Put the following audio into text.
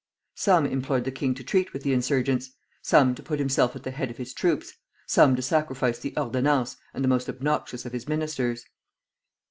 Some implored the king to treat with the insurgents; some to put himself at the head of his troops; some to sacrifice the ordonnances and the most obnoxious of his ministers.